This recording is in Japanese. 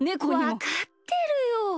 わかってるよ。